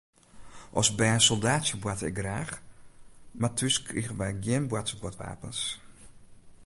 As bern soldaatsjeboarte ik graach, mar thús krigen wy gjin boartersguodwapens.